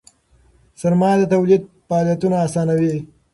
سرمایه د تولید فعالیتونه آسانوي.